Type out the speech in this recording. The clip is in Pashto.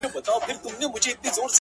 خير دی !! دى كه اوسيدونكى ستا د ښار دى!!